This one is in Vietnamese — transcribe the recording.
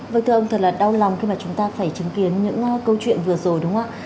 vâng thưa ông thật là đau lòng khi mà chúng ta phải chứng kiến những câu chuyện vừa rồi đúng không ạ